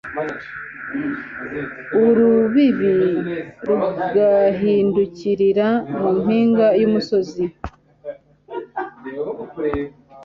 urubibi rugahindukirira mu mpinga y'umusozi